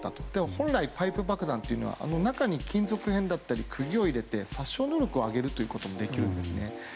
本来、パイプ爆弾というのは中に金属片だったり釘を入れて、殺傷能力を上げることもできるんですね。